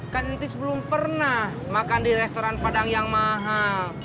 kan entis belum pernah makan di restoran padang yang mahal